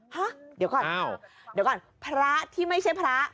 ฮะเดี๋ยวก่อนเดี๋ยวก่อนพระที่ไม่ใช่พระ